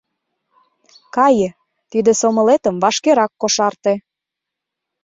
Кае, тиде сомылетым вашкерак кошарте.